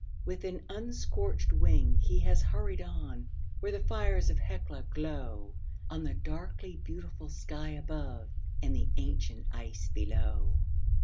With an unscorched wing he has hurried on, where the fires of Hecla glow On the darkly beautiful sky above and the ancient ice below.